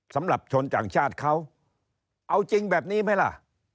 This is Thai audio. สำหรับชนต่างชาติเขาเอาจริงแบบนี้ไหมล่ะ